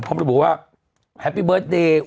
เพราะเค้าบอกว่าแฮปปี้เบิร์ดเดชมัน